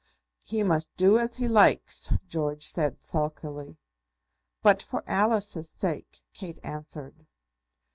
"He must do as he likes," George said, sulkily. "But for Alice's sake!" Kate answered.